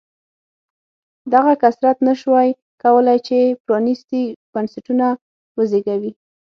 دغه کثرت نه شوای کولای چې پرانېستي بنسټونه وزېږوي.